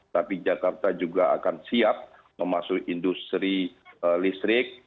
tapi jakarta juga akan siap memasuki industri listrik